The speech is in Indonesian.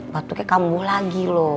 batuk nya kembuh lagi loh